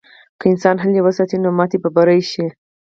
که انسان هیله وساتي، نو ماتې به بری شي.